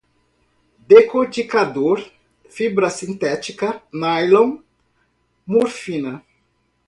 decorticador, fibra sintética, nylon, morfina